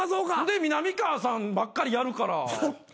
でみなみかわさんばっかりやるから。